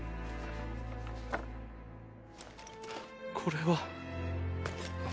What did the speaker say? これは。